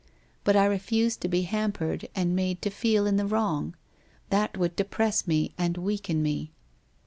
But I refuse to be hampered and made to feel in the wrong. That would depress me and weaken me.